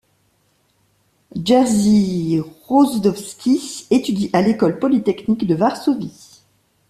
Jerzy Rossudowski étudie à l'école polytechnique de Varsovie.